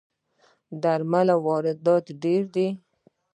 د درملو واردات ډیر دي